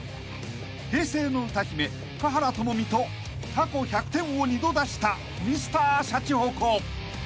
［平成の歌姫華原朋美と過去１００点を２度出したＭｒ．シャチホコ］